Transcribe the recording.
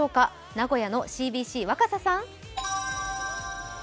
名古屋のＣＢＣ・若狭さん。